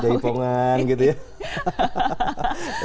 jaipongan gitu ya